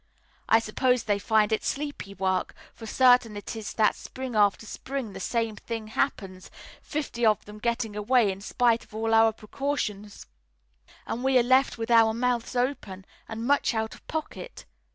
I suppose they find it sleepy work; for certain it is that spring after spring the same thing happens, fifty of them getting away in spite of all our precautions, and we are left with our mouths open and much out of pocket.